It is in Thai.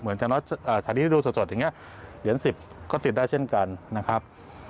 สถานีที่ดูสดอย่างนี้เหรียญ๑๐ก็ติดได้เช่นกันนะครับ